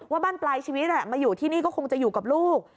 บ้านปลายชีวิตมาอยู่ที่นี่ก็คงจะอยู่กับลูก